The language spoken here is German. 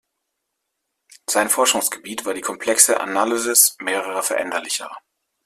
Sein Forschungsgebiet war die komplexe Analysis mehrerer Veränderlicher.